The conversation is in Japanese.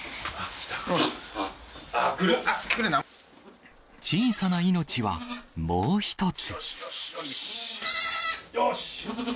あっ、小さな命はもう１つ。